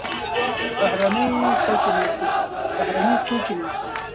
بهرني توکي مه اخلئ.